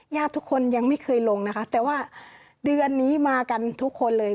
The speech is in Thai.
ญาติทุกคนยังไม่เคยลงนะคะแต่ว่าเดือนนี้มากันทุกคนเลย